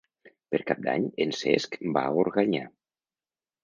Per Cap d'Any en Cesc va a Organyà.